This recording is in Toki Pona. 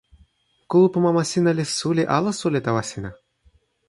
kulupu mama sina li suli ala suli tawa sina?